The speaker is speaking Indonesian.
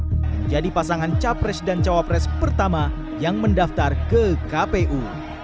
menjadi pasangan capres dan cawapres pertama yang mendaftar ke kpu